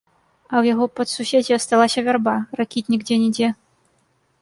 А ў яго падсуседзі асталася вярба, ракітнік дзе-нідзе.